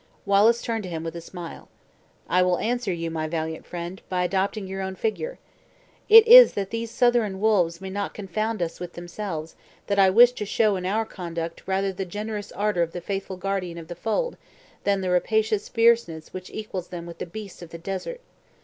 Wallace turned to him with a smile: "I will answer you, my valiant friend, by adopting your own figure. It is that these Southron wolves may not confound us with themselves, that I wish to show in our conduct rather the generous ardor of the faithful guardian of the fold, than the rapacious fierceness which equals them with the beasts of the desert.